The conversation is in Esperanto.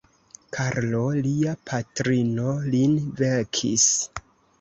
Karlo Lia patrino lin vekis.